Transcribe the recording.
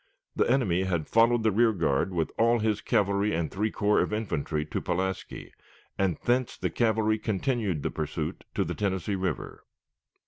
The enemy had followed the rear guard with all his cavalry and three corps of infantry to Pulaski, and thence the cavalry continued the pursuit to the Tennessee River.